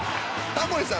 「タモリさん」